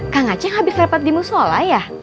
kang aceh habis rapat di musola ya